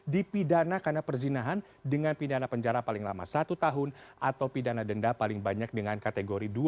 dipidana karena perzinahan dengan pidana penjara paling lama satu tahun atau pidana denda paling banyak dengan kategori dua